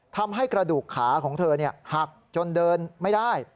ทำให้กระดูกขาของเธอหักจนเดินไม่ได้